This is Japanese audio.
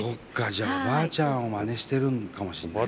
じゃあおばあちゃんをまねしてるのかもしれないね。